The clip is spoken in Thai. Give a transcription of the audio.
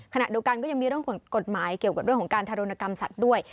ขณะเดียวกันก็ยังมีเรื่องกฎหมายเกี่ยวกับเรื่องของการทารุณกรรมสัตว์ด้วย